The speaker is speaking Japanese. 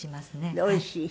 でおいしい？